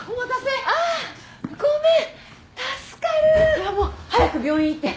いやもう早く病院行って。